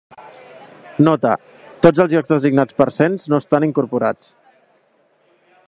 Nota: tots els llocs designats per cens no estan incorporats.